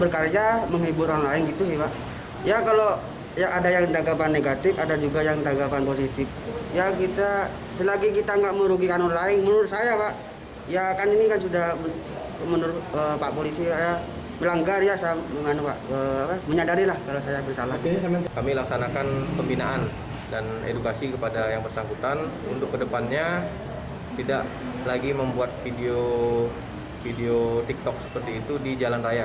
kami laksanakan pembinaan dan edukasi kepada yang bersangkutan untuk ke depannya tidak lagi membuat video tiktok seperti itu di jalan raya